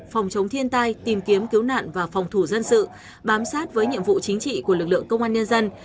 phòng chống thiên tai tìm kiếm cứu nạn và phòng thủ dân sự bám sát với nhiệm vụ chính trị của lực lượng công an nhân dân